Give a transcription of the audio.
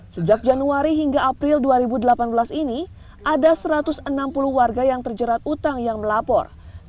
sejak januari hingga april dua ribu delapan belas ini ada satu ratus enam puluh warga yang terjerat utang yang melapor